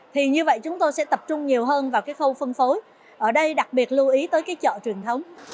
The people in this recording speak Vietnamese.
thì như vậy chúng tôi sẽ tập trung nhiều hơn vào cái khâu phân phối ở đây đặc biệt lưu ý tới cái chợ truyền thống